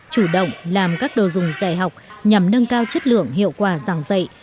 chủ động làm các đồ dùng dạy học nhằm nâng cao chất lượng hiệu quả giảng dạy